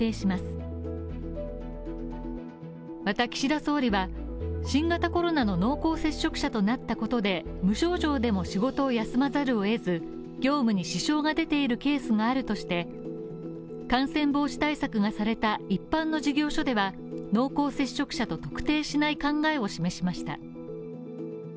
また、岸田総理は新型コロナの濃厚接触者となったことで無症状でも仕事を休まざるを得ず業務に支障が出ているケースがあるとして感染防止対策がされた一般の事業所では濃厚接触者と特定しない考えを示しました。